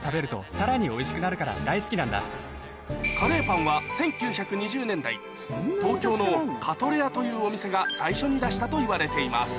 カレーパンは東京のカトレアというお店が最初に出したといわれています